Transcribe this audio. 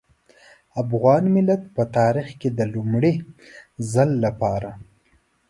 افغان ملت په تاريخ کې د لومړي ځل لپاره.